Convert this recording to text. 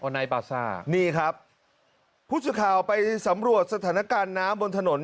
ในปาซ่านี่ครับผู้สื่อข่าวไปสำรวจสถานการณ์น้ำบนถนน